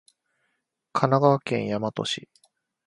神奈川県大和市